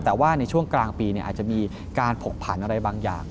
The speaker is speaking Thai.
แต่ว่าในช่วงกลางปีอาจจะมีการผกผันอะไรบางอย่าง